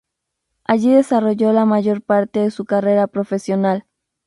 Allí desarrolló la mayor parte de su carrera profesional.